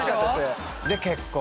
で結婚。